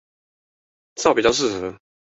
至少比較適合